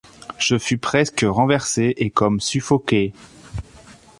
Je fus presque renversé et comme suffoqué.